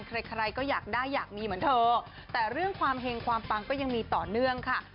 ใครใครก็อยากได้อยากมีเหมือนเธอแต่เรื่องความเห็งความปังก็ยังมีต่อเนื่องค่ะ